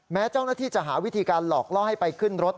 แม้เจ้าหน้าที่จะหาวิธีการหลอกล่อให้ไปขึ้นรถ